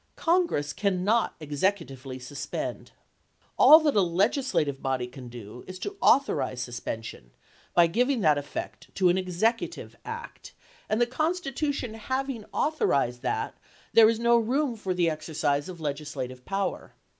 Congress cannot executively suspend. All that a legislative body can do is to authorize sus pension, by giving that effect to an Executive act ; HABEAS COEPUS 31 and the Constitution having authorized that, there chap.ii. is no room for the exercise of legislative power.